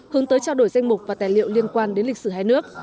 hướng tới trao đổi danh mục và tài liệu liên quan đến lịch sử hai nước